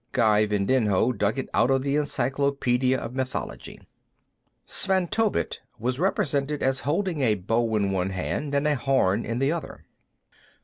Guy Vindinho dug it out of the 'Encyclopedia of Mythology.' Svantovit was represented as holding a bow in one hand and a horn in the other."